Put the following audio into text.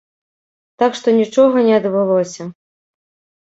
Так што нічога не адбылося.